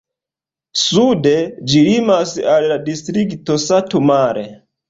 Sude ĝi limas al la distrikto Satu Mare.